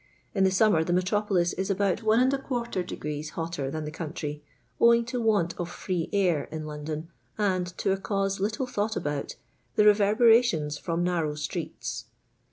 Ic the summer the metropolis is about 1 \ degree hotter than the country, owing to want of tVee air in London, and to a cause little thought about — the reverberations from narrow streets.